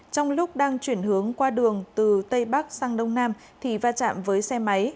trong lúc đang chuyển hướng qua đường từ tây bắc sang đông nam thì va chạm với xe máy